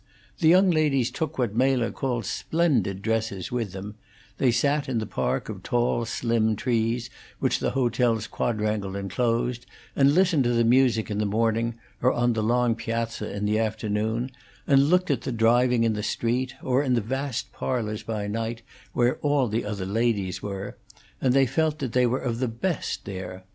The young ladies took what Mela called splendid dresses with them; they sat in the park of tall, slim trees which the hotel's quadrangle enclosed, and listened to the music in the morning, or on the long piazza in the afternoon and looked at the driving in the street, or in the vast parlors by night, where all the other ladies were, and they felt that they were of the best there.